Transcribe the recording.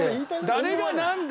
誰が何で。